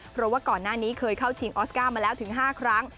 เพราะว่าก่อนหน้านี้เคยเข้าชิงออสการ์มาแล้วถึง๕ครั้ง